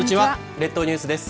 列島ニュースです。